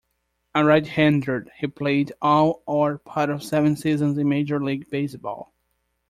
A right-hander, he played all or part of seven seasons in Major League Baseball.